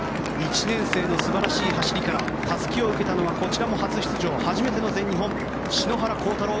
１年生の素晴らしい走りからたすきを受けたのはこちらも初出場、初めての全日本篠原倖太朗